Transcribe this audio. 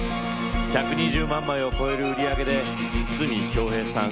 １２０万枚を超える売り上げで筒美京平さん